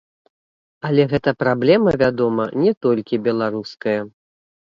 Але гэта праблема, вядома, не толькі беларуская.